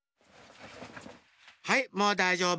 ハイもうだいじょうぶ！